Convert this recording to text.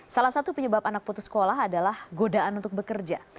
salah satu penyebab anak putus sekolah adalah godaan untuk bekerja